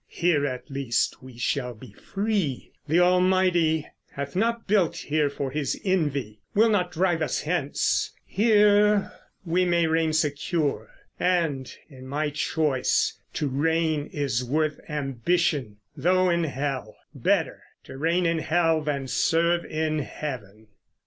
Here at least We shall be free; the Almighty hath not built Here for his envy, will not drive us hence: Here we may reign secure; and, in my choice, To reign is worth ambition, though in Hell: Better to reign in Hell than serve in Heaven."